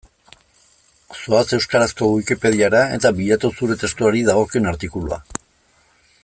Zoaz euskarazko Wikipediara eta bilatu zure testuari dagokion artikulua.